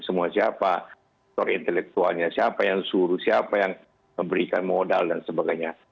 semua siapa seorang intelektualnya siapa yang suruh siapa yang memberikan modal dan sebagainya